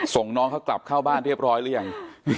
ส่งน้องเขากลับเข้าบ้านเรียบร้อยหรือยัง